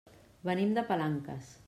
Venim de Palanques.